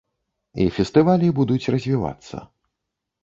І фестывалі будуць развівацца.